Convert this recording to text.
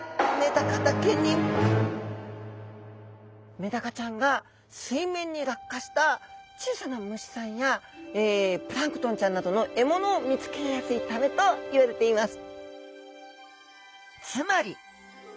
メダカちゃんが水面に落下した小さな虫さんやプランクトンちゃんなどの獲物を見つけやすいためといわれています。